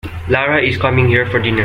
Lara is coming here for dinner.